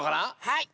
はい。